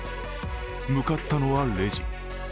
向かったのはレジ。